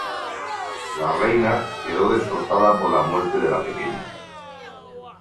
La reina quedó destrozada por la muerte de la pequeña.